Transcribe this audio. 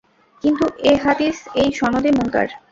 কিন্তু এ হাদীস এই সনদে মুনকার।